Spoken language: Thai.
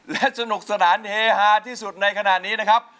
และสนุกสนานเฮฮาที่สุดในขณะนี้นะครับ